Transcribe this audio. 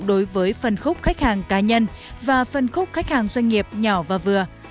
đối với phần khúc khách hàng cá nhân và phần khúc khách hàng doanh nghiệp nhỏ và vừa